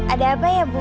ada apa ya bu